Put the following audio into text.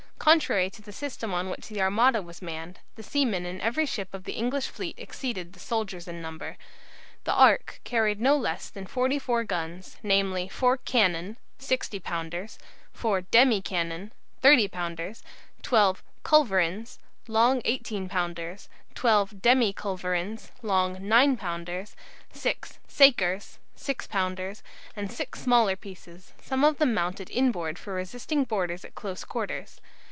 Contrary to the system on which the Armada was manned, the seamen in every ship of the English fleet exceeded the soldiers in number. "The Ark" carried no less than 44 guns, namely, 4 "cannon" (60 pounders), 4 "demi cannon" (30 pounders) 12 "culverins" (long 18 pounders), 12 "demi culverins" (long 9 pounders), 6 "sakers" (6 pounders), and six smaller pieces, some of them mounted inboard for resisting boarders at close quarters.